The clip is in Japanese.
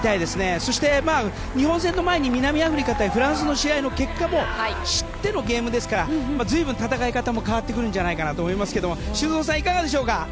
そして、日本戦の前に南アフリカとフランスの試合の結果も知ってのゲームですから随分戦い方も変わってくるんじゃないかなと思いますが修造さんいかがでしょうか。